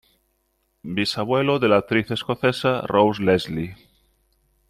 Bisabuelo de la actriz escocesa Rose Leslie.